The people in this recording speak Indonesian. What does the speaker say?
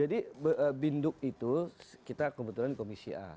jadi binduk itu kita kebetulan komisi a